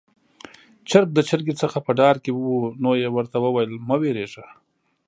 چرګ د چرګې څخه په ډار کې وو، نو يې ورته وويل: 'مه وېرېږه'.